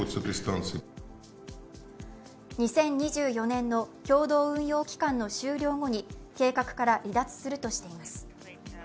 ２０２４年の共同運用期間の終了後に計画から離脱するとしています。